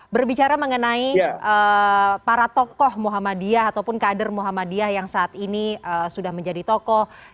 berbicara mengenai para tokoh muhammadiyah ataupun kader muhammadiyah yang saat ini sudah menjadi tokoh